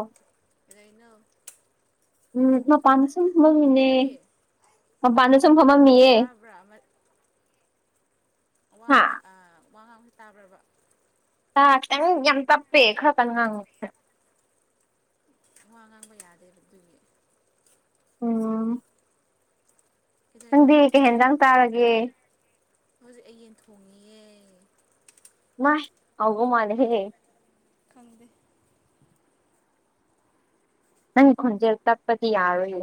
ꯑ ꯂꯩꯣꯏꯩꯅꯣ ꯎꯝ ꯄꯁ ꯃꯃꯤꯅꯦ ꯀꯔꯤ ꯃꯄꯅ ꯆꯨꯝ ꯐꯃ ꯃꯤꯌꯦꯦ ꯇꯥꯕ꯭ꯔꯥ ꯑꯃ ꯋꯥ ꯑꯃ ꯋꯥ ꯉꯥꯡꯁꯦ ꯇꯥꯕ꯭ꯔꯕ ꯇꯥ ꯈꯤꯇꯪ ꯌꯥꯝ ꯇꯞꯄꯦ ꯈꯔꯇꯪ ꯉꯥꯡꯉ ꯋꯥ ꯉꯥꯡꯕ ꯌꯥꯗꯦꯕ ꯑꯗꯨꯒꯤ ꯎꯝ ꯀꯩꯗꯩꯅꯣ ꯅꯪꯗꯦ ꯀꯦ ꯍꯦꯟꯗꯪ ꯇꯥꯔꯒꯦ ꯍꯧꯖꯤꯛ ꯑꯩ ꯌꯦꯟ ꯊꯣꯡꯉꯤꯌꯦ ꯍꯥꯑꯣꯕꯥ ꯃꯜꯂꯦꯍꯦ ꯈꯪꯗꯦ ꯅꯪ ꯈꯣꯟꯖꯦꯜ ꯇꯛꯄꯗꯤ ꯌꯥꯔꯨꯌꯦ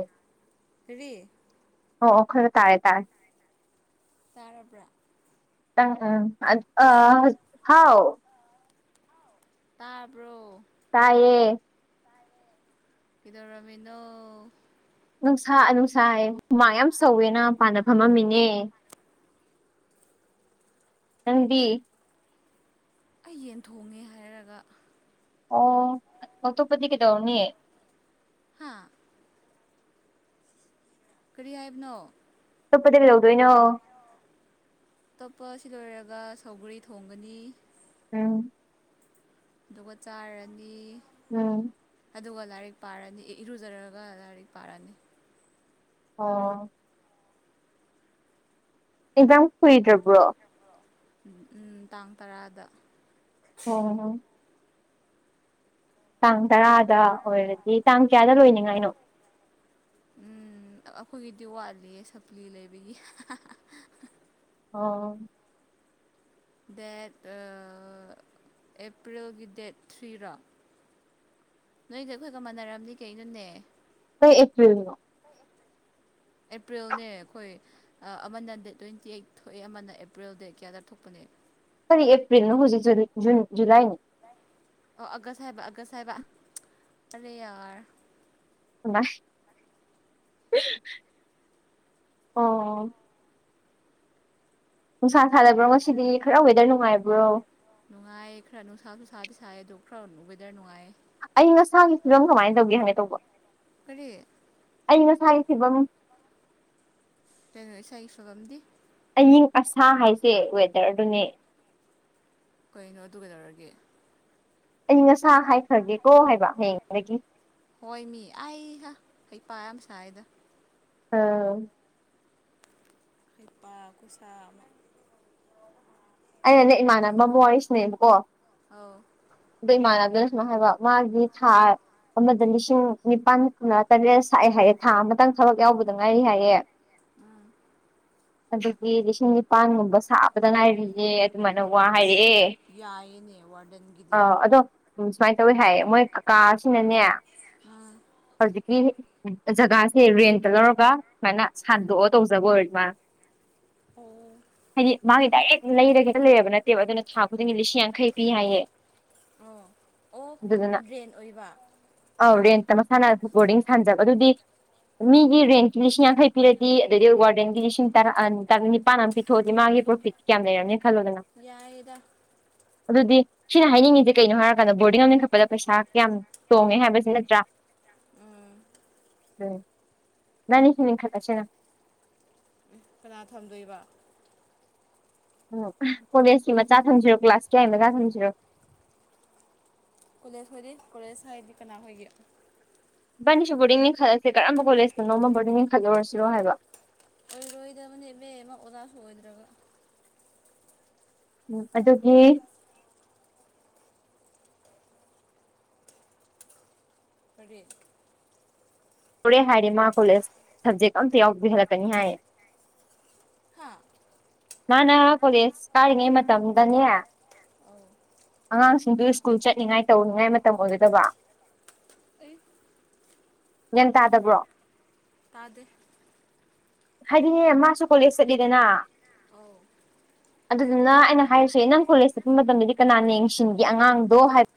ꯀꯔꯤ ꯑꯣ ꯈꯔ ꯇꯥꯔꯦ ꯇꯥꯔꯦ ꯇꯥꯔꯕ꯭ꯔꯣ ꯑ ꯑꯝ ꯍꯥꯎ ꯇꯥꯕ꯭ꯔꯣ ꯇꯌꯦ ꯀꯩꯗꯧꯔꯝꯃꯤꯅꯣ ꯅꯨꯡꯁꯥ ꯅꯨꯡꯁꯥꯏꯃ ꯌꯥꯝ ꯁꯧꯋꯦꯅ ꯄꯥꯟꯅ ꯐꯝꯃꯝꯃꯤꯅꯦ ꯅꯪ ꯗꯤ ꯑꯩ ꯌꯦꯟ ꯊꯣꯡꯉꯦ ꯍꯥꯏꯔꯒ ꯑꯣ ꯑꯇꯣꯞꯄꯗꯤ ꯀꯩꯗꯧꯅꯤ ꯍꯥꯥ ꯀꯔꯤ ꯍꯥꯏꯕꯅꯣ ꯑꯇꯣꯞꯄ ꯂꯧꯗꯣꯏꯅꯣ ꯑꯇꯣꯞꯄ ꯑꯁꯤ ꯂꯣꯏꯔꯒ ꯁꯧꯒꯔꯤ ꯊꯣꯡꯒꯅꯤ ꯎꯝ ꯑꯗꯨꯒ ꯆꯥꯔꯅꯤ ꯎꯝ ꯑꯗꯨꯒ ꯂꯥꯏꯔꯤꯛ ꯄꯥꯔꯅꯤ ꯏꯔꯨꯖꯔꯒ ꯂꯥꯏꯔꯤꯛ ꯄꯥꯔꯅꯤ ꯑꯣ ꯑꯦꯛꯖꯥꯝ ꯀꯨꯏꯗ꯭ꯔꯕ꯭ꯔꯣ ꯎꯝ ꯇꯥꯡ ꯇꯔꯥꯗ ꯑꯣ ꯇꯥꯡ ꯇꯔꯥꯗ ꯑꯣꯏꯔꯗꯤ ꯇꯥꯡ ꯀꯌꯥꯗ ꯂꯣꯏꯅꯤꯉꯥꯏꯅꯣ ꯎꯝ ꯑꯩꯈꯣꯏꯒꯤꯗꯤ ꯋꯥꯠꯂꯤꯌꯦ ꯁꯄ꯭ꯂꯤ ꯂꯩꯕꯒꯤ ꯑꯣ ꯗꯦꯠ ꯑꯦꯄ꯭ꯔꯤꯜꯒꯤ ꯗꯦꯠ ꯊ꯭ꯔꯤꯔꯣ ꯅꯣꯏꯒ ꯑꯩꯈꯣꯏꯒ ꯃꯥꯟꯅꯔꯝꯅꯤ ꯀꯩꯅꯣꯅꯦ ꯀꯩ ꯑꯦꯄ꯭ꯔꯤꯜ ꯅꯣ [unintelligible] ꯑꯦꯄ꯭ꯔꯤꯜꯅꯦ ꯑꯩꯈꯣꯏ ꯑꯃꯅ ꯗꯦꯠ ꯇ꯭ꯋꯦꯟꯇꯤ ꯑꯩꯠ ꯊꯣꯛꯑꯦ ꯑꯃꯅ ꯑꯦꯄ꯭ꯔꯤꯜ ꯗꯦꯠ ꯀꯌꯥꯗ ꯊꯣꯛꯄꯅꯦ ꯑꯦꯄ꯭ꯔꯔꯤꯜ ꯅ ꯍꯧꯖꯤꯖꯟ ꯨꯂꯥꯏꯅꯦ ꯑꯣ ꯑꯒꯁꯥ ꯍꯥꯏꯕ ꯑꯒꯁꯥ ꯍꯥꯏꯕ ꯑꯗꯨꯗꯤ ꯌꯥꯔꯣꯏ ꯑꯣ ꯅꯨꯡꯁꯥ ꯁꯥꯗꯕ꯭ꯔꯣ ꯉꯁꯤꯗꯤ ꯈꯔ ꯋꯦꯗꯔ ꯅꯨꯡꯉꯥꯏꯕ꯭ꯔꯣ ꯅꯨꯡꯉꯥꯏꯌꯦ ꯈꯔ ꯅꯨꯡꯁꯥꯁꯨ ꯁꯥꯗꯤ ꯁꯥꯏꯌꯦ ꯑꯗꯨꯣ ꯈꯔ ꯋꯦꯗꯔ ꯅꯨꯡꯉꯥꯏꯌꯦ ꯑꯌꯪ ꯑꯁꯥꯒꯤ ꯐꯤꯕꯝ ꯀꯃꯥꯏꯅ ꯇꯧꯒꯦ ꯍꯥꯏꯅꯦ ꯇꯧꯕ ꯀꯔꯤ ꯑꯌꯦꯟ ꯑꯥꯁꯥꯏꯒꯤ ꯐꯤꯕꯝ ꯀꯩꯅꯣ ꯏꯗꯒꯤ ꯁꯕꯝꯗꯤ ꯑꯌꯤꯡ ꯑꯁꯥ ꯍꯥꯏꯁꯦ ꯋꯦꯗꯔꯗꯨꯅꯦ ꯀꯩꯅꯣ ꯑꯗꯨꯒ ꯂꯧꯔꯒꯦ ꯑꯌꯤꯡ ꯑꯁꯥ ꯍꯥꯏꯈ꯭ꯔꯒꯦꯀꯣ ꯍꯥꯏꯕ ꯍꯌꯦꯡꯗꯒꯤ ꯍꯩꯄ ꯌꯥꯝ ꯃꯁꯥꯏꯌꯦꯅꯥ ꯑꯥ ꯈꯩꯄꯥ ꯈꯨꯁꯥ ꯑꯩꯅ ꯅꯦꯛ ꯏꯃꯥꯟꯅꯕ ꯑꯃ ꯋꯥꯔꯤꯁꯤꯅꯦꯕꯀꯣ ꯑꯧ ꯑꯩ ꯏꯃꯥꯟꯅꯗꯁꯃ ꯍꯥꯏꯕ ꯃꯥꯒꯤ ꯁꯥ ꯑꯃꯗ ꯂꯤꯁꯤꯡ ꯅꯤꯄꯥꯟ ꯀꯥ ꯇꯔꯦꯠ ꯁꯛꯑꯦ ꯍꯥꯏꯌꯦꯦ ꯊꯥ ꯑꯃꯇꯪ ꯊꯕꯛ ꯌꯥꯎꯕꯗ ꯉꯥꯏꯔꯤ ꯍꯥꯏꯌꯦꯦ ꯎꯝ ꯑꯗꯨꯗꯒꯤ ꯂꯤꯁꯤꯡ ꯅꯤꯄꯜꯒꯨꯝꯕ ꯁꯥꯕꯗ ꯉꯥꯏꯔꯤꯌꯦ ꯑꯗꯨꯃꯥꯏꯅ ꯋꯥ ꯌꯥꯏꯅꯦ ꯋꯥꯗꯟꯒꯦ ꯑ ꯑꯗꯣ ꯁꯨꯃꯥꯏꯅ ꯇꯧꯋꯤ ꯍꯥꯏꯌꯦ ꯃꯣꯏ ꯀꯀꯥꯁꯤꯅꯅꯦ ꯎꯝ ꯍꯧꯖꯤꯀꯤ ꯖꯒꯥꯁꯦ ꯔꯦꯟꯇ ꯂꯧꯔꯒ ꯁꯨꯃꯥꯏꯅ ꯁꯟꯗꯣꯛꯑ ꯇꯧꯖꯕ ꯑꯣꯏꯃꯥ ꯑꯣ ꯍꯥꯏꯗꯤ ꯃꯥꯒꯤ ꯗꯥꯏꯔꯦ ꯂꯩꯔꯒꯦꯇ ꯂꯩꯔꯕ ꯅꯠꯇꯦꯕ ꯑꯗꯨꯅ ꯊꯥ ꯈꯨꯗꯤꯡꯒꯤ ꯂꯤꯁꯤꯡ ꯌꯥꯡꯈꯩ ꯄꯤ ꯍꯥꯏꯌꯦ ꯑꯣ ꯑꯣ ꯗ꯭ꯔꯦꯟ ꯑꯣꯏꯕ ꯑꯥꯎ ꯔꯦꯡꯇ ꯃꯁꯥꯅ ꯕꯣꯔꯗꯤꯡ ꯁꯥꯟꯖꯕ ꯑꯗꯨꯗꯤ ꯃꯤꯒꯤ ꯔꯦꯟꯀꯤ ꯂꯤꯁꯤꯡ ꯌꯥꯡꯈꯩ ꯄꯤꯔꯗꯤ ꯑꯗꯩ ꯋꯥꯔ ꯔꯦꯟꯀꯤ ꯂꯤꯁꯤꯡ ꯇꯔꯥ ꯇꯔ ꯅꯤꯄꯥꯟ ꯑꯃ ꯄꯤꯊꯣꯛꯑꯗꯤ ꯃꯥꯒꯤ ꯄꯔꯣꯐꯤꯛꯌꯥ ꯂꯩꯔꯅꯤ ꯌꯥꯏꯗ ꯑꯗꯨꯗꯤ ꯁꯤꯅ ꯍꯥꯏꯅꯤꯡꯉꯤꯁꯦ ꯀꯩꯅꯣ ꯍꯥꯏꯔꯀꯥꯟꯗ ꯕꯣꯔꯗꯤꯡ ꯑꯃ ꯂꯤꯡꯈꯠꯄꯗ ꯄꯩꯁꯥ ꯀꯌꯥꯝ ꯇꯣꯡꯉꯦ ꯍꯥꯏꯕꯁꯤ ꯅꯠꯇ꯭ꯔꯥ ꯎꯝ ꯎꯝ ꯅꯤ ꯍꯅꯤꯡ ꯈꯁꯦꯅ ꯀꯅꯥ ꯊꯝꯗꯣꯏꯕ ꯎꯝ ꯀꯣꯂꯦꯖꯀꯤ ꯃꯆꯥ ꯊꯝꯁꯤꯔꯣ ꯀ꯭ꯂꯥꯁ ꯀꯌꯥꯏ ꯃꯆꯥ ꯊꯝꯁꯤꯔꯣ ꯀꯣꯂꯦꯖ ꯈꯣꯏꯗꯤ ꯀꯣꯂꯦꯖ ꯍꯥꯏꯗꯤ ꯀꯅꯥ ꯍꯣꯏꯒꯦ ꯕꯥꯅꯤꯁꯨ ꯕꯣꯔꯡ ꯂꯤꯡꯈꯠꯂꯁꯦ ꯀꯔꯝꯕ ꯀꯣꯂꯦꯖꯇꯅꯣꯃ ꯕꯣꯔꯗꯤꯡ ꯂꯤꯡꯈꯠꯂꯨꯔꯁꯤꯔꯣ ꯍꯥꯏꯕ ꯑꯣꯏꯔꯣꯏꯗꯕꯅꯦ ꯏꯕꯦꯝꯃ ꯑꯣꯖꯥ ꯁꯣꯏꯗ꯭ꯔꯒ ꯎꯝ ꯑꯗꯨꯒꯤ ꯑ [unintelligible] [inaudible] ꯇꯣꯔꯦ ꯍꯥꯏꯔꯦ ꯃꯥ ꯀꯣꯂꯦꯖ ꯁꯕꯖꯦꯛ ꯑꯝꯇ ꯌꯥꯎꯕꯤꯍꯜꯂꯛꯀꯅꯤ ꯍꯥꯏꯌꯦ ꯍꯥꯥ ꯃꯥꯅ ꯀꯣꯂꯦꯖ ꯀꯥꯔꯤꯉꯩ ꯃꯇꯝꯗꯅꯦ ꯑꯧ ꯑꯉꯥꯡꯁꯤꯡꯗꯨ ꯁ꯭ꯀꯨꯜ ꯆꯠꯅꯤꯡꯉꯥꯏ ꯇꯧꯅꯤꯉꯥꯏ ꯃꯇꯝ ꯑꯣꯏꯒꯗꯕ ꯑꯦ [unintelligible] [inaudible] ꯒ꯭ꯌꯥꯟ ꯇꯥꯗꯕ꯭ꯔꯣ ꯇꯥꯗ ꯍꯥꯏꯗꯤꯅꯦ ꯃꯥꯁꯨ ꯀꯣꯂꯦꯖ ꯆꯠꯂꯤꯗꯅ [unintelligible] [inaudible] ꯑꯗꯨꯗꯨꯅ ꯑꯩꯅ ꯍꯥꯏꯔꯤꯁꯦ ꯅꯪ ꯀꯣꯂꯦꯖ ꯆꯠꯄ ꯃꯇꯝꯗꯗꯤ ꯀꯅꯥ ꯌꯦꯡꯁꯤꯟꯒꯦ ꯑꯉꯥꯡꯗꯣ ꯍꯥꯏꯕ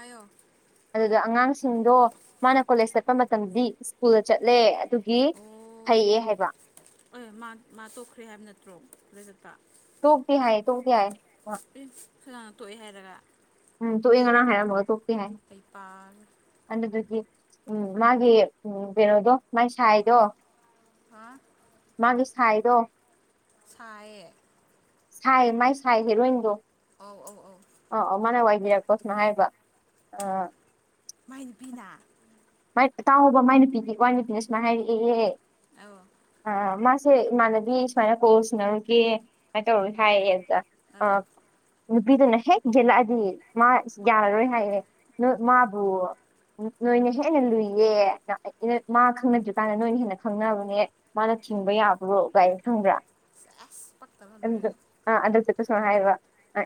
ꯑꯣ [unintelligible] [inaudible] ꯑꯗꯨꯗ ꯑꯉꯥꯡꯁꯤꯡꯗꯣ ꯃꯥꯅ ꯀꯣꯂꯦꯖ ꯆꯠꯄ ꯃꯇꯝꯗꯗꯤ ꯁ꯭ꯀꯨꯜꯗ ꯆꯠꯂꯦ ꯑꯗꯨꯒꯤ ꯐꯩꯌꯦ ꯍꯥꯏꯕ ꯍꯣꯏꯣꯏ ꯃꯥ ꯃꯥ ꯇꯣꯛꯈ꯭ꯔꯦ ꯍꯥꯏꯕ ꯅꯠꯇ꯭ꯔꯣꯖꯄ ꯇꯣꯛꯇꯦ ꯍꯥꯏꯏ ꯇꯣꯛꯇꯦ꯫ ꯍꯥꯏꯏ ꯐꯂꯥꯡꯅ ꯊꯣꯛꯣꯛꯑꯦ ꯍꯥꯏꯔꯒ ꯇꯣꯛꯑ ꯉꯅ ꯍꯥꯏꯔꯝꯃꯒ ꯇꯣꯛꯀꯦ ꯍꯥꯏ ꯑꯩ ꯄꯥꯔꯦ ꯑꯗꯨꯗꯒꯤ ꯎꯝ ꯃꯥꯒꯤ ꯎ ꯀꯩꯅꯣꯗꯣ ꯃꯥꯏ ꯁꯥꯏꯗꯣ ꯑꯥ [unintelligible] [inaudible] ꯃꯥꯒꯤ ꯁꯥꯏꯗꯣ ꯁꯌꯦ ꯁꯥꯏ ꯃꯥꯏ ꯁꯥꯏ ꯍꯦꯔꯣꯏꯟꯗꯣ ꯑꯧ ꯑꯧ ꯑ ꯑ ꯃꯥꯅ ꯋꯥꯏꯕꯤꯔꯛꯄ ꯀꯣꯁꯅ ꯍꯥꯏꯕ ꯑ ꯃꯥꯏ ꯅꯨꯨꯄꯤꯅ ꯇꯥꯎꯉꯕ ꯃꯥꯏ ꯅꯨꯄꯤꯒꯤ ꯋꯥ ꯅꯨꯄꯤꯅ ꯁꯨꯃꯥꯏꯅ ꯍꯥꯏꯔꯛꯑꯦ ꯑꯧ ꯑ ꯃꯥ ꯁꯦ ꯏꯃꯥꯟꯅꯗꯤ ꯁꯨꯃꯥꯏꯅ ꯀꯣꯔꯣꯁꯅꯔꯨꯒꯦ ꯁꯨꯃꯥꯏꯅ ꯇꯧꯔ ꯍꯥꯏꯌꯦ ꯑꯗꯨꯗ ꯑꯥ ꯅꯨꯄꯤꯗꯨꯅ ꯍꯦꯛ ꯌꯦꯦꯜꯂꯛꯑꯗꯤ ꯃꯥ ꯌꯥꯔꯔꯣꯏ ꯍꯥꯏꯌꯦꯦ ꯃꯥꯕꯨ ꯎ ꯅꯣꯏꯅꯦ ꯑꯩꯅ ꯂꯨꯏꯌꯦ ꯑꯩꯅ ꯃꯥ ꯈꯪꯅꯗ꯭ꯔꯤꯀꯥꯟꯗ ꯅꯣꯏꯅ ꯍꯦꯟꯅ ꯈꯪꯅꯕꯅꯦ ꯃꯥꯅ ꯊꯤꯡꯕ ꯌꯥꯕ꯭ꯔꯣ ꯒꯥꯏꯅ ꯊꯪꯕ꯭ꯔꯥ [unintelligible] ꯂꯣꯏꯔꯦ ꯑ ꯑꯗ ꯆ ꯀꯁꯨꯝꯅ ꯍꯥꯏꯕ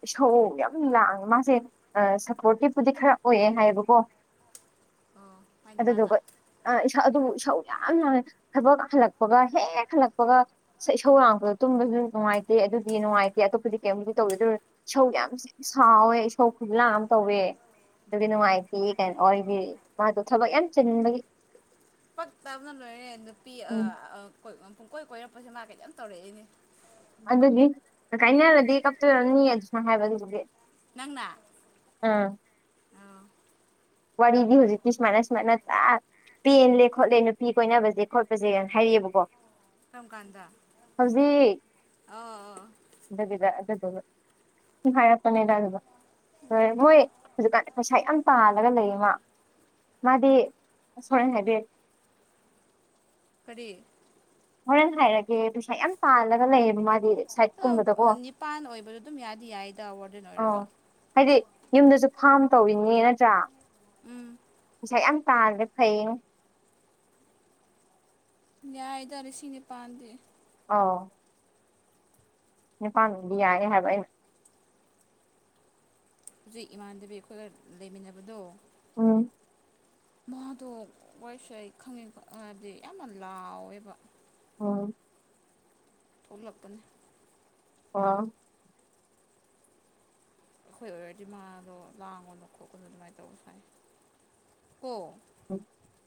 ꯏꯁꯧ ꯌꯥꯝ ꯂꯥꯡꯉꯦ ꯃꯥꯁꯦ ꯁꯞꯄꯣꯔꯇꯤꯞꯄꯨꯗꯤ ꯈꯔ ꯑꯣꯏꯌꯦꯦ ꯍꯥꯏꯌꯦꯕꯀꯣ ꯋꯥ ꯑꯣ ꯃꯥꯏ ꯑꯒ ꯅꯨꯄꯥꯗ ꯑꯗꯨꯕꯨ ꯏꯁꯧ ꯌꯥꯝ ꯂꯥꯡꯉꯦ ꯊꯕꯛ ꯍꯜꯂꯛꯄꯒ ꯍꯦꯛꯦꯛ ꯍꯜꯂꯛꯄꯒ ꯏꯁꯧ ꯂꯥꯡꯛꯄꯗꯣ ꯇꯨꯝꯕ ꯅꯨꯡꯉꯥꯏꯇꯦ ꯑꯗꯨꯗꯤ ꯅꯨꯡꯉꯥꯏꯇꯦ ꯑꯇꯣꯞꯄꯗꯤ ꯀꯩꯝꯕꯗꯤ ꯇꯧꯋꯦ ꯑꯗꯨ ꯏꯁꯧ ꯌꯥꯝ ꯁꯥꯎꯋꯦ ꯏꯁꯧ ꯈꯂꯥ ꯌꯥꯝ ꯇꯧꯋ ꯑꯗꯨꯒꯤ ꯅꯨꯡꯉꯥꯏꯇ ꯀꯩꯅꯣ ꯑꯣꯏꯕꯤ ꯃꯥꯗꯣ ꯊꯕꯛ ꯌꯥꯝ ꯆꯤꯟꯕꯒꯤ ꯄꯛ ꯇꯕꯅ ꯂꯣꯏꯔꯦ ꯅꯨꯄꯤ ꯎꯝ ꯄꯨꯡꯀꯣꯏ ꯀꯣꯏꯔꯛꯄꯁꯦ ꯃꯥ ꯀꯩꯇꯝ ꯇꯧꯔꯛꯏꯅꯦ ꯑꯗꯨꯗꯤ ꯀꯥꯏꯅꯜꯂꯗꯤ ꯀꯞꯇꯣꯏꯔꯛꯅꯤ ꯑꯗꯨꯅ ꯍꯥꯏꯕ ꯑꯗꯨꯒꯤ ꯅꯪꯅ ꯎꯝ ꯑꯣ ꯋꯥꯔꯤꯗꯤ ꯍꯧꯖꯤꯛꯇꯤ ꯁꯨꯃꯥꯏꯅ ꯁꯨꯃꯥꯏꯅ ꯇꯥ ꯄꯦꯟꯂꯦ ꯈꯣꯠꯂꯦ ꯅꯨꯄꯤ ꯀꯣꯏꯅꯕꯁꯦ ꯈꯣꯠꯄꯁꯦꯅ ꯍꯥꯏꯔꯤꯑꯕꯀꯣ ꯀꯔꯝ ꯀꯥꯟꯗ ꯍꯧꯖꯤꯛ ꯑꯣ ꯑꯣ ꯁ ꯍꯥꯏꯔꯛꯄꯅꯦꯗ ꯑꯗꯨꯒ ꯍꯣꯏ ꯃꯣꯏ ꯍꯧꯖꯤꯛꯀꯥꯟ ꯄꯩꯁꯥ ꯌꯥꯝ ꯄꯥ ꯍꯥꯏ ꯀꯔꯤ ꯍꯣꯔꯦꯟ ꯍꯥꯏꯔꯒꯦ ꯄꯩꯁꯥ ꯌꯥꯝ ꯄꯥꯜꯂꯒ ꯂꯩꯌꯦꯕ ꯃꯥꯗꯤ ꯁꯥꯏꯠꯀꯨꯝꯕꯗꯀꯣ ꯑ ꯅꯤꯄꯥꯟ ꯑꯣꯏꯕꯗꯣ ꯑꯗꯨꯝ ꯌꯥꯗꯤ ꯌꯥꯏꯗ ꯋꯥꯔꯗꯦꯟ ꯑꯥ ꯑꯣꯏꯔꯕ ꯍꯥꯏꯗꯤ ꯌꯨꯝꯗꯁꯨ ꯐꯥꯝ ꯇꯧꯔꯤꯅꯦ ꯅꯠꯇ꯭ꯔꯥ ꯎꯝ ꯄꯩꯁꯥ ꯌꯥꯝ ꯇꯥꯗ꯭ꯔꯦ ꯐꯌꯦꯡ ꯅ꯭ꯌꯥꯏꯗꯔꯁꯤꯅꯦ ꯄꯥꯟꯗ ꯑꯥꯎ ꯅꯨꯅꯤꯄꯥꯥꯟꯗꯤ ꯌꯥꯔꯦ ꯍꯥꯏꯕ ꯑꯩꯅ ꯍꯧꯖꯤꯛ ꯏꯃꯥꯟꯅꯕꯤ ꯑꯩꯈꯣꯏꯒ ꯂꯩꯃꯤꯟꯅꯕꯗꯣ ꯎꯝ ꯃꯥꯗꯣ ꯋꯥꯔꯤꯁꯦ ꯑꯩ ꯈꯪꯉꯤ ꯈ ꯍꯥꯏꯕꯗꯤ ꯌꯥꯝꯅ ꯂꯥꯎꯋꯦꯕ ꯑꯣ ꯊ ꯂꯄꯅꯦ ꯑꯣ ꯑꯩꯈꯣꯏ ꯑꯣꯏꯔꯗꯤ ꯃꯥꯗꯣ ꯂꯥꯡꯒꯣꯅ ꯈꯣꯠꯀꯅ ꯑꯗꯨꯃꯥꯏꯅ ꯇꯧꯅ ꯍꯥꯏꯥꯏ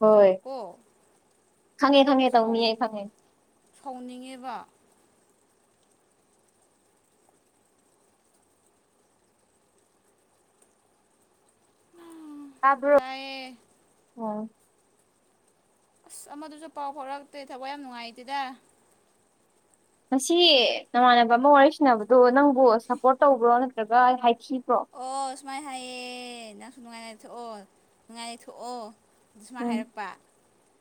ꯍꯣꯏ ꯈꯪꯉꯦ ꯈꯪꯉꯦ ꯇꯧ ꯃꯤꯌꯦ ꯈꯪꯉꯦ ꯁꯥꯎꯅꯤꯡꯉꯤꯕ ꯑꯥꯕ ꯇꯌꯦ ꯑ ꯑꯁ ꯑꯃꯗꯨꯁꯨ ꯄꯥꯎ ꯐꯥꯎꯔꯛꯇꯦ ꯊꯕꯛ ꯌꯥꯝ ꯅꯨꯡꯉꯥꯏꯇꯦꯗ ꯉꯁꯤ ꯅꯃꯥꯟꯅꯕ ꯑꯃ ꯋꯥꯔꯤ ꯁꯅꯕꯗꯣ ꯅꯪꯕꯨ ꯁꯞꯄꯣꯔꯠ ꯇꯧꯕ꯭ꯔꯣ ꯅꯠꯇ꯭ꯔꯒ ꯍꯥꯏꯈꯤꯕ ꯑꯣ ꯁꯨꯃꯥꯏꯅ ꯍꯥꯏꯌꯦꯦ ꯅꯪꯁꯨ ꯅꯨꯡꯉꯥꯏꯔ ꯊꯣꯛꯑꯣ ꯅꯨꯡꯉꯥꯏꯔ ꯊꯣꯛꯑꯣ ꯁꯨꯃꯥꯏꯅ ꯎꯝ ꯍꯥꯏꯔꯛꯄ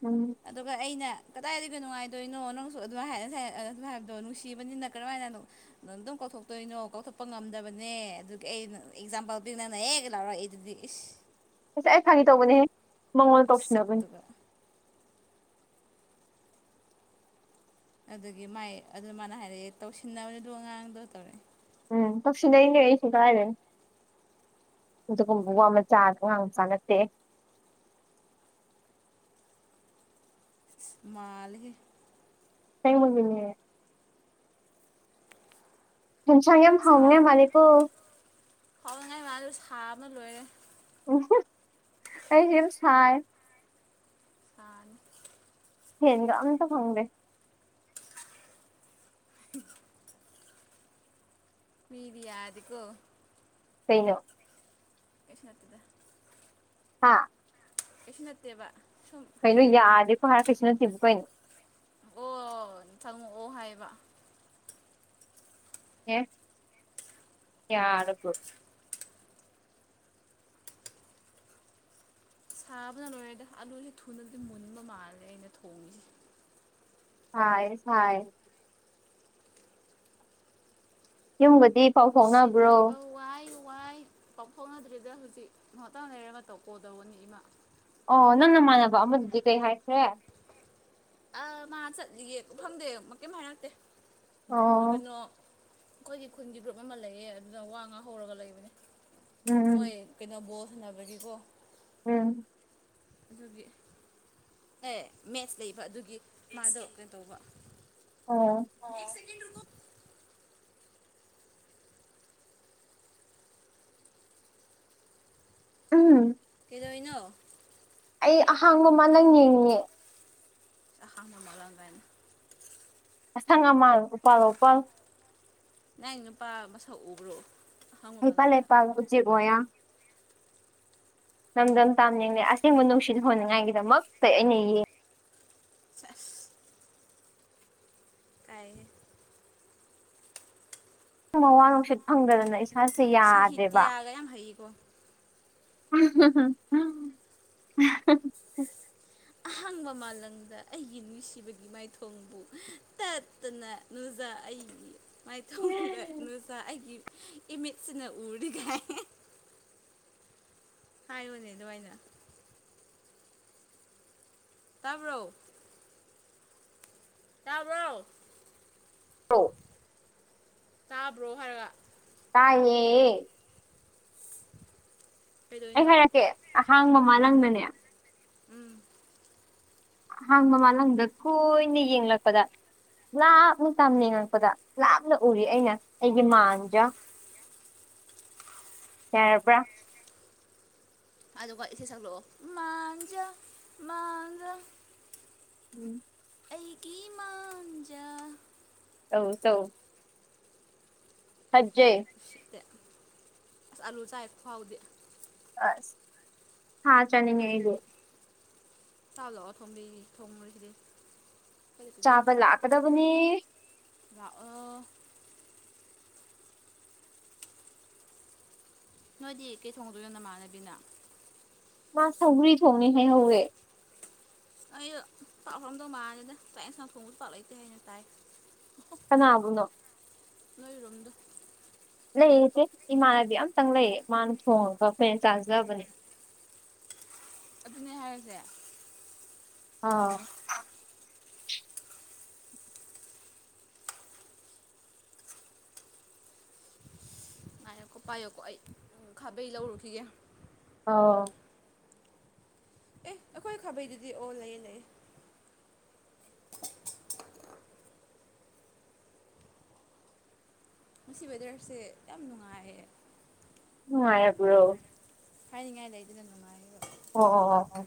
ꯎꯝ ꯑꯗꯨꯒ ꯑꯩꯅ ꯀꯗꯥꯏꯗꯒꯤ ꯀ ꯅꯨꯡꯉꯥꯏꯗꯣꯏꯅꯣ ꯅꯪꯁꯨ ꯑꯗꯨ ꯍꯥꯏꯅ ꯍꯥꯏꯕꯗꯣ ꯅꯨꯡꯁꯤꯕꯅꯤꯅ ꯀꯔꯝ ꯍꯥꯏꯅ ꯀꯧꯊꯣꯛꯇꯣꯏꯅꯣ ꯀꯥꯎꯊꯣꯛꯄ ꯉꯝꯗꯕꯅꯦ ꯑꯗꯨ ꯑꯩꯩꯅ ꯑꯦꯛꯖꯥꯝꯄꯜ ꯄ ꯅꯪꯅ ꯍꯦꯛ ꯂꯥꯎꯔ ꯑꯩ ꯑꯗꯨꯗꯤ ꯑꯁ ꯑꯩ ꯈꯪꯉ ꯇꯧꯕꯅꯦꯍꯦ ꯃꯉꯣꯟ ꯇꯧꯁꯤꯟꯅꯕꯅꯦ ꯃꯁꯛꯇꯨꯒ ꯑꯗꯨꯒꯤ ꯃꯥꯏ ꯑꯗꯨ ꯃꯥꯅ ꯍꯥꯏꯔꯛꯑꯦ ꯇꯧꯁꯤꯟꯅꯕꯅꯤꯗꯣ ꯑꯉꯥꯡꯗꯣ ꯇꯧꯔꯛꯑꯦ ꯎꯝ ꯄꯁꯤꯤꯡ ꯂꯩ ꯏꯅꯤ ꯍꯥꯏꯁꯨ ꯇꯥꯏꯔꯦ ꯑꯗꯨꯒꯨꯝꯕ ꯋꯥ ꯃꯆꯥ ꯑꯒꯥꯡ ꯆꯥ ꯅꯠꯇꯦ [unintelligible] ꯨ ꯃꯜꯒ ꯇꯪ ꯃꯒꯅꯦ ꯍꯁꯪꯒꯦꯝ ꯍꯥꯎꯒꯦ ꯁꯥꯕꯅ ꯃꯥꯦꯀ ꯊꯥ ꯑꯃ ꯂꯣꯏꯔꯦ ꯎ ꯑꯩꯦꯝ ꯁꯥꯏ ꯑ ꯍꯒ ꯑꯇ ꯐꯪꯗꯦ [unintelligible] ꯃꯤꯗꯤ ꯌꯥꯗꯤꯒꯣ ꯀꯩꯅꯣ ꯏꯁꯤꯡꯅꯇꯗ ꯍꯥꯥ ꯀꯁꯅꯠꯇꯦꯕ ꯀꯩꯅꯣ ꯌꯥꯗꯦꯀꯣ ꯍꯥꯔ ꯀ꯭ꯔꯤꯁꯅ ꯇꯤꯕꯨ ꯀꯩꯅꯣ ꯈꯪꯉꯛꯑꯣ ꯍꯥꯏꯕ ꯑꯦ ꯀ ꯁꯥꯕꯅ ꯂꯣꯏꯔꯗꯤ ꯑꯂꯨꯁꯦ ꯊꯨꯅꯗꯤ ꯃꯨꯟꯕ ꯃꯥꯜꯂꯦ ꯑꯩꯅ ꯊꯣꯡꯉꯤꯁꯦ ꯁꯥꯌꯦ ꯁꯥꯌꯦ ꯌꯨꯝꯒꯗꯤ ꯄꯥꯎ ꯐꯥꯎꯅꯕ꯭ꯔꯣ ꯅꯨꯡꯁꯤꯅꯕ ꯋꯥꯏ ꯋꯥꯏ ꯄꯥꯎꯊꯣꯛꯅꯗ꯭ꯔꯤꯗ ꯍꯧꯖꯤꯛ ꯉꯇ ꯂꯩꯔ ꯃꯇꯧ ꯀꯣꯗꯧꯕꯅꯤ ꯏꯃꯥ ꯑꯣ ꯅꯪ ꯅꯃꯥꯟꯅꯕ ꯑꯃꯗꯨꯗꯤ ꯀꯩ ꯍꯥꯏꯈ꯭ꯔꯦ ꯑ ꯃꯥ ꯆꯠꯂꯤꯌꯦ ꯀꯐꯝꯗꯦ ꯑꯃ ꯀꯩꯝ ꯍꯥꯏꯔꯛꯇꯦ ꯑꯣ ꯀꯩꯅꯣ ꯑꯩꯈꯣꯏꯒꯤ ꯈꯨꯟꯒꯤ ꯒ꯭ꯔꯨꯞ ꯑꯃ ꯂꯩꯌꯦ ꯑꯗꯨꯅ ꯋꯥ ꯉꯥ ꯍꯧꯔꯒ ꯂꯩꯕꯅꯦ ꯎꯝ ꯃꯣꯏ ꯀꯩꯅꯣ ꯕꯣ ꯁꯅꯕꯒꯤꯀꯣ ꯎꯝ ꯑꯗꯨꯒꯤ ꯑꯦ ꯃꯦꯠꯁ ꯂꯩꯕ ꯑꯗꯨꯒꯤ ꯃꯥꯗꯣ ꯀꯩꯅꯩ ꯇꯧꯕ ꯑꯣ ꯁꯤ ꯀ ꯎꯝ ꯗꯣꯏꯩꯅꯣ ꯑꯩ ꯑꯍꯥꯡꯕꯃ ꯅꯪ ꯌꯦꯡꯉꯉꯦ ꯁꯥꯃꯥꯂꯕꯟ ꯑꯁꯪ ꯑꯃꯥꯟ ꯎꯄꯥꯜ ꯎꯄꯥꯜ ꯅꯪ ꯅꯨꯄꯥ ꯃꯁꯛ ꯎꯕ꯭ꯔꯣ ꯑꯍꯥꯡꯕ ꯍꯥꯏꯄꯥ ꯂꯩ ꯃꯥꯜꯂꯝꯗ ꯄ ꯍꯧ ꯎꯆꯦꯒꯣꯌꯥ ꯂꯝꯗꯝ ꯇꯥꯝꯅꯤꯡꯗꯦ ꯑꯁꯦꯡꯕ ꯅꯨꯡꯁꯤꯠ ꯍꯣꯟꯅꯤꯡꯉꯥꯏꯒꯤꯗꯃꯛꯇ ꯑꯩꯅ ꯌꯦꯡꯉ ꯆꯁ ꯀꯥꯏ ꯃꯋꯥ ꯅꯨꯡꯁꯤꯠ ꯐꯪꯗꯗꯅ ꯏꯁꯥꯁꯦ ꯌꯥꯗ꯭ꯔꯦꯕ ꯁꯍꯤꯇ꯭ꯌꯥꯒ ꯌꯥꯝ ꯍꯩꯌꯦꯀꯣ [unintelligible] ꯑꯍꯥꯡꯕ ꯃꯥꯂꯗ ꯑꯩꯒꯤ ꯅꯨꯡꯁꯤꯕꯒꯤ ꯃꯥꯏꯊꯣꯡꯕꯨ ꯇꯠꯇꯅ ꯅꯨꯡꯖ ꯇ ꯑꯩ ꯃꯥꯏꯊꯣꯡꯗ ꯅꯨꯖ ꯑꯩꯒꯤ ꯏꯃꯤꯠꯁꯤꯅ ꯎꯔꯤꯈꯥꯏ ꯍꯥꯏꯌꯨꯅꯦ ꯑꯗꯨꯃꯥꯏꯅ ꯇꯥꯕ꯭ꯔꯣ ꯇꯥꯃꯣ ꯑ ꯇꯥꯕ꯭ꯔꯣ ꯍꯥꯏꯔꯒ ꯇꯌꯦꯌꯦ ꯑꯩ ꯀꯩꯗꯧꯔꯤꯅꯣ ꯍꯥꯏꯔꯛꯀꯦ ꯑꯍꯥꯡ ꯃꯃꯥ ꯂꯪꯗꯅꯦ ꯎꯝ ꯍꯥꯡ ꯃꯃꯜ ꯂꯝꯗ ꯀꯨꯅ ꯌꯦꯡꯂꯛꯄꯗ ꯂꯥꯞꯅ ꯇꯥꯝꯅꯤꯡꯉꯛꯄꯗ ꯂꯥꯞꯅ ꯎꯔꯤ ꯑꯩꯅ ꯑꯩꯒꯤ ꯃꯥꯟꯖ ꯌꯥꯔꯕ꯭ꯔꯥ ꯑꯗꯨꯒ ꯏꯁꯩ ꯁꯛꯂꯛꯑꯣ ꯃꯥꯟꯖ ꯃꯥꯟꯖ ꯎꯝ ꯑꯩꯒꯤ ꯃꯥꯡꯖ ꯑꯧ ꯇꯧ ꯁꯠꯖꯦ ꯁꯤꯠꯇꯦ ꯑꯁ ꯑꯂꯨ ꯆꯥꯏ ꯍꯦꯛꯄꯥꯎꯗꯤ ꯑꯁ ꯍ ꯆꯅꯤꯡꯉꯦ ꯇꯥꯂꯛꯑꯣ ꯊꯣꯝꯕꯤ ꯊꯣꯡꯝꯔꯤꯁꯤꯗꯤ ꯆꯥꯄꯜ ꯂꯥꯛꯀꯗꯕꯨꯅꯤ ꯂꯥꯛꯑꯣ ꯅꯣꯏꯗꯤ ꯀꯩ ꯊꯣꯡꯗꯣꯏꯅꯣ ꯅꯃꯥꯟꯅꯕꯤꯅ ꯃꯥ ꯁꯒꯔꯤ ꯊꯅꯤ ꯍꯥꯏ ꯍꯦ ꯑꯩ ꯄꯥꯛꯂꯝꯗꯧ ꯃꯥꯜꯂꯦꯗ ꯇꯥꯛ ꯌꯦꯟꯁꯥꯡ ꯊꯣꯡꯕ ꯄꯥꯛꯂꯇꯦ ꯍꯥꯏꯅ ꯇꯥꯏ ꯀꯅꯥꯕꯨꯅꯣ ꯂꯣꯏꯔꯣꯝꯗꯣ ꯂꯩꯌꯦꯦ ꯏꯃꯥꯟꯅꯕꯤ ꯑꯃꯇꯪ ꯂꯩꯌꯦ ꯃꯥꯅ ꯊꯣꯡꯉꯒ ꯐꯣꯔꯦꯟ ꯆꯥꯖꯕꯅꯦ ꯑꯗꯨꯅꯦ ꯍꯥꯏꯔꯁꯦ ꯑꯥ ꯉꯥꯏꯌꯣꯀꯣ ꯄꯥꯏꯌꯣꯀꯣ ꯑꯩ ꯈꯥꯕꯩ ꯂꯧꯔꯨꯈꯤꯒꯦ ꯑꯥꯎ ꯑꯦ ꯑꯩꯈꯣꯏ ꯈꯥꯕꯩꯗꯨꯗꯤ ꯑꯣ ꯂꯩꯌꯦ ꯂꯩꯌꯦ ꯃꯁꯤ ꯋꯦꯗꯔꯁꯦ ꯌꯥꯝ ꯅꯨꯡꯉꯥꯏꯌꯦ ꯑ ꯍꯥꯏꯕ꯭ꯔꯣ ꯍꯥꯏꯅꯤꯡꯉꯥꯏ ꯂꯩꯗꯨꯅ ꯅꯨꯡꯉꯥꯏꯔꯣ ꯑꯣ ꯑꯣ ꯑꯣ